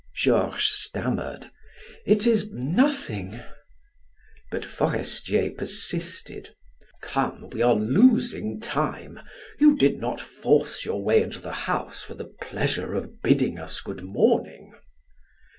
Georges stammered: "It is nothing." But Forestier persisted: "Come, we are losing time; you did not force your way into the house for the pleasure of bidding us good morning."